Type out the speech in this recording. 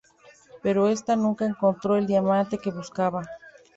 Pero esta nunca encontró el diamante que buscaba.